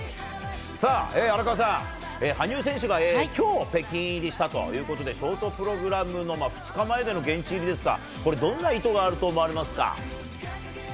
荒川さん、羽生選手が今日北京入りしたということでショートプログラムの２日前での現地入りですか、どんな意図があると思われますか？